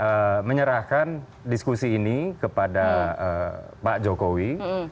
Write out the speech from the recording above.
saya menyerahkan diskusi ini kepada pak jokowi